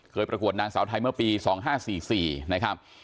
ประกวดนางสาวไทยเมื่อปี๒๕๔๔นะครับ